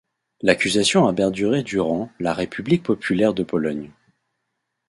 L'accusation a perduré durant la République populaire de Pologne.